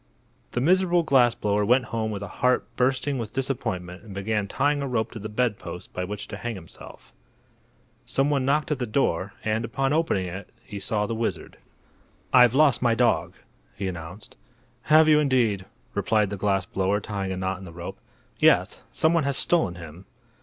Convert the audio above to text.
The miserable glass blower went home with a heart bursting with disappointment and began tying a rope to the bedpost by which to hang himself. Some one knocked at the door, and, upon opening it, he saw the wizard. "I've lost my dog," he announced. "Have you, indeed?" replied the glass blower tying a knot in the rope. "Yes; some one has stolen him."